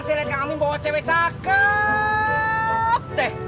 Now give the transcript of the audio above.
saya liat ke amin bahwa cewe cakep deh